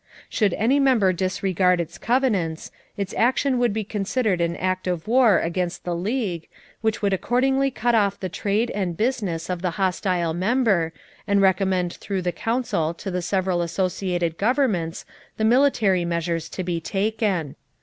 Should any member disregard its covenants, its action would be considered an act of war against the League, which would accordingly cut off the trade and business of the hostile member and recommend through the Council to the several associated governments the military measures to be taken.